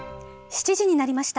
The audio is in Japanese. ７時になりました。